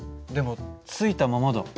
でもついたままだ。